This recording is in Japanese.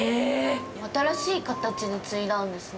新しい形で継いだんですね。